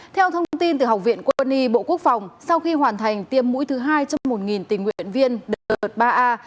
theo thông tin từ học viện quân y bộ quốc phòng sau khi hoàn thành tiêm mũi thứ hai trong một tình nguyện viên đợt ba a